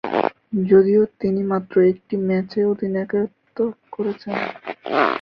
যদিও তিনি মাত্র একটি ম্যাচে অধিনায়কত্ব করেছেন।